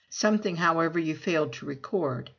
''Something, however, you failed to record.